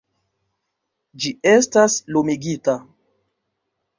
- Ĝi estas lumigita...